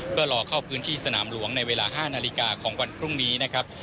เพื่อรอเข้าพื้นที่สนามหลวงในเวลา๕นาฬิกาของวันพรุ่งนี้นะครับ